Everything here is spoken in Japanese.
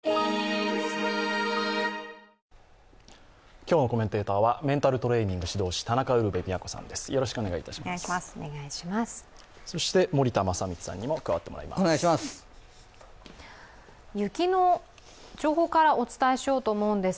今日のコメンテーターはメンタルトレーニング指導士の田中ウルヴェ京さんです。